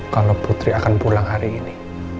kalau putri akan pulang hari ini